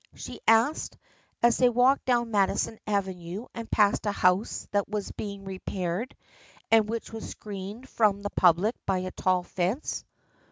she asked, as they walked down Madison Avenue and passed a house that was being repaired and which was screened from the public by a tall fence.